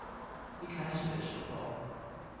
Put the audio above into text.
一開始的時候